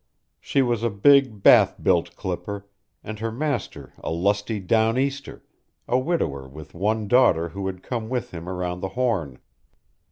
She was a big Bath built clipper, and her master a lusty down Easter, a widower with one daughter who had come with him around the Horn.